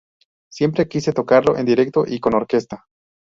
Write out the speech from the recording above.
Siempre quise tocarlo en directo y con orquesta.